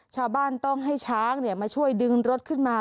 ชาวบ้านต้องให้ช้างมาช่วยดึงรถขึ้นมา